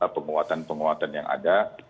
penguatan penguatan yang ada